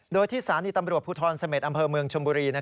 โดยที่สถานีตำรวจภูทรเสม็ดอำเภอเมืองชมบุรี